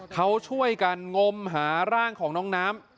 เขาช่วยกันงมหาร่างของน้องน้ำ